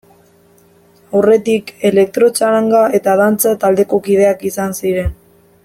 Aurretik, elektrotxaranga eta dantza taldeko kideak izan ziren.